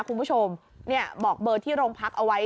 คุณผู้ชมเนี่ยบอกเบอร์ที่โรงพักเอาไว้